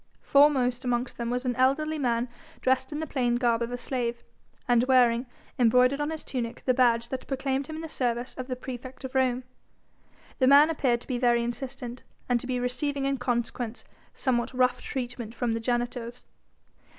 Foremost amongst them was an elderly man dressed in the plain garb of a slave, and wearing, embroidered on his tunic, the badge that proclaimed him in the service of the praefect of Rome. The man appeared to be very insistent, and to be receiving in consequence, somewhat rough treatment from the janitors.